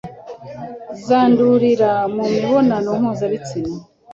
zandurira mu mibonano mpuzabitsina?